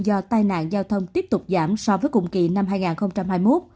do tai nạn giao thông tiếp tục giảm so với cùng kỳ năm hai nghìn hai mươi một